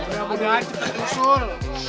gak mudah aja cepet usul